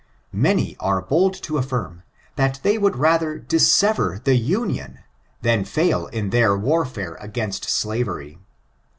Many are bold to afGrm, that they would rather dissever the Union than fail in their warfare against slavery.